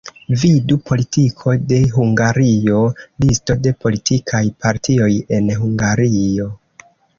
Vidu: Politiko de Hungario, Listo de politikaj partioj en Hungario.